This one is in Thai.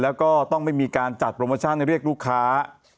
แล้วก็ต้องไม่มีการจัดโปรโมชั่นเรียกลูกค้า